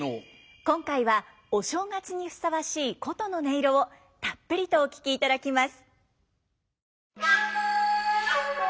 今回はお正月にふさわしい箏の音色をたっぷりとお聴きいただきます。